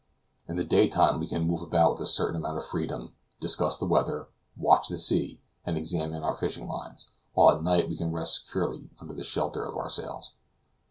In the day time we can move about with a certain amount of freedom, discuss the weather, watch the sea, and examine our fishing lines; while at night we can rest securely under the shelter of our sails.